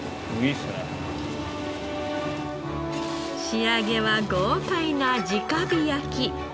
仕上げは豪快な直火焼き。